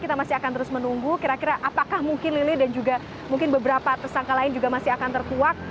kita masih akan terus menunggu kira kira apakah mungkin lili dan juga mungkin beberapa tersangka lain juga masih akan terkuak